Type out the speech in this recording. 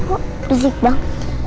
oh berisik bang